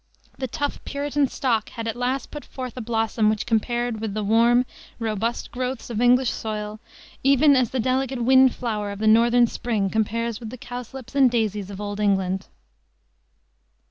The tough Puritan stock had at last put forth a blossom which compared with the warm, robust growths of English soil even as the delicate wind flower of the northern spring compares with the cowslips and daisies of old England.